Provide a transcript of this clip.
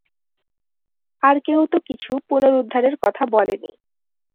আর কেউ তো কিছু পুনরুদ্ধারের কথা বলেনি।